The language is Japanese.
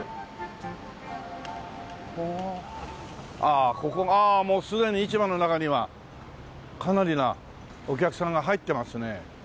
ああもうすでに市場の中にはかなりなお客さんが入ってますね。